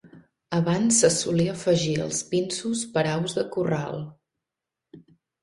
Abans se solia afegir als pinsos per a aus de corral.